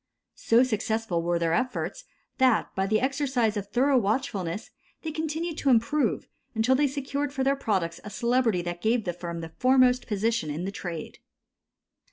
So successful were their efforts that, by the exercise of thorough watchfulness, they continued to improve, until they secured for their products a celebrity that gave the firm the foremost position in the trade.